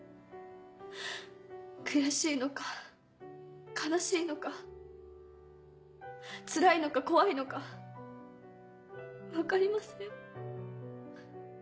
悔しいのか悲しいのかつらいのか怖いのか分かりません。